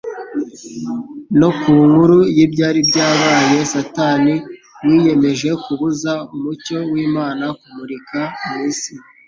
no ku nkuru y'ibyari byabaye. Satani wiyemeje kubuza umucyo w'Imana kumurika mu isi,